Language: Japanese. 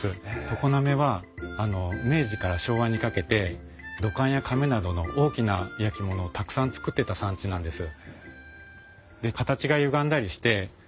常滑は明治から昭和にかけて土管やかめなどの大きな焼き物をたくさん作ってた産地なんです。